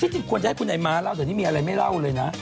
จริงควรจะให้คุณไอ้ม้าเล่าเดี๋ยวนี้มีอะไรไม่เล่าเลยนะ